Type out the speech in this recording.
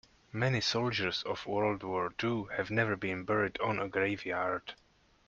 Many soldiers of world war two have never been buried on a grave yard.